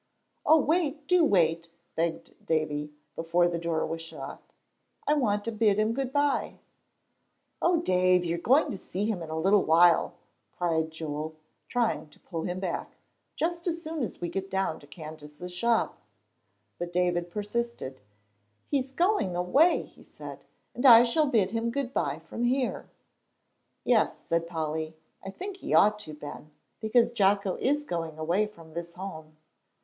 "Oh, wait, do wait," begged Davie, before the door was shut. "I want to bid him good by." "Oh, Dave, you are going to see him in a little while," cried Joel, trying to pull him back, "just as soon as we get down to Candace's shop." But David persisted. "He's going away," he said, "and I shall bid him good by from here." "Yes," said Polly, "I think he ought to, Ben, because Jocko is going away from this home."